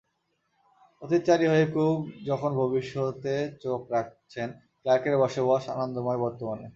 অতীতচারী হয়ে কুক যখন ভবিষ্যতে চোখ রাখছেন, ক্লার্কের বসবাস আনন্দময় বর্তমানে।